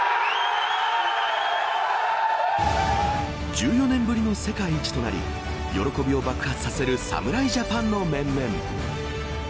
１４年ぶりの世界一となり喜びを爆発させる侍ジャパンの面々。